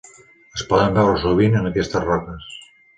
Es poden veure sovint en aquestes roques.